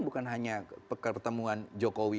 bukan hanya pertemuan jokowi